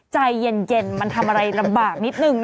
ใจเย็นมันทำอะไรลำบากนิดนึง